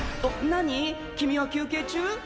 なに君は休憩中？